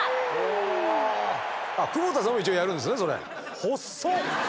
久保田さんも一応やるんですねそれ。